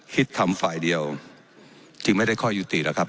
ทำฝ่ายเดียวจึงไม่ได้ข้อยุติแล้วครับ